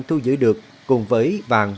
thu giữ được cùng với vàng